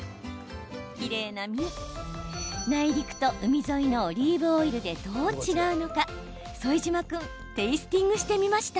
内陸と海沿いのオリーブオイルでどう違うのか、副島君テースティングしてみました。